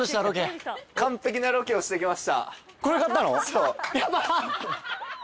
そう。